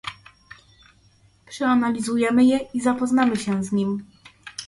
Przeanalizujemy je i zapoznamy się z nim